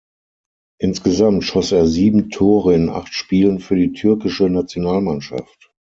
Insgesamt schoss er sieben Tore in acht Spielen für die türkische Nationalmannschaft.